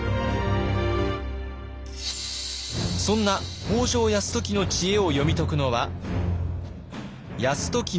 そんな北条泰時の知恵を読み解くのは泰時の祖父